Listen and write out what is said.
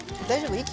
大丈夫？